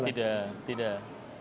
oh tidak tidak